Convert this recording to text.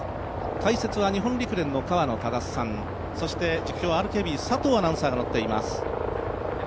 解説は日本陸連の河野匡さん、そして実況、ＲＫＢ、佐藤アナウンサーが乗っています。